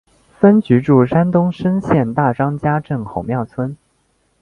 分局驻山东莘县大张家镇红庙村。